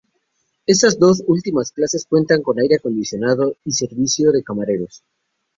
Estas dos últimas clases cuentan con aire acondicionado y servicio de camareros.